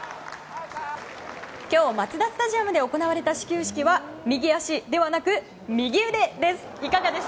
今日マツダスタジアムで行われた始球式は右足ではなく右腕です。